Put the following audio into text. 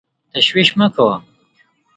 تشویش مه کوه !